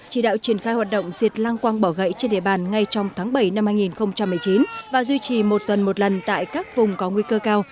chỉ đạo triển khai hoạt động diệt lang quang bỏ gậy trên địa bàn ngay trong tháng bảy năm hai nghìn một mươi chín và duy trì một tuần một lần tại các vùng có nguy cơ cao